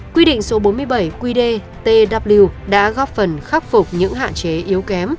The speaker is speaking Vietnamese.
quy định số bốn mươi bảy quy đề tw đã góp phần khắc phục những hạn chế yếu kém